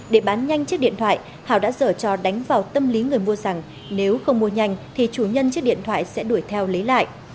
để bán nhanh chiếc điện thoại hảo đã dở trò đánh vào tâm lý người mua rằng nếu không mua nhanh thì chủ nhân chiếc điện thoại sẽ đuổi theo lấy lại